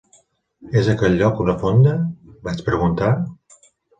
"És aquell lloc una fonda?", vaig preguntar.